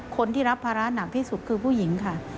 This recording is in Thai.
คนที่รับภาระหนักที่สุดคือผู้หญิงค่ะ